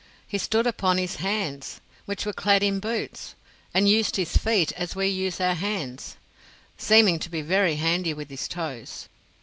He stood upon his hands, which were clad in boots, and used his feet as we use our hands, seeming to be very handy with his toes.